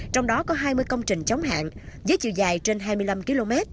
trong đó có hai mươi công trình chống hạn với chiều dài trên hai mươi năm km